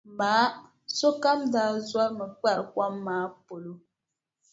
Maa sokam daa zɔrimi kpari kom maa polo.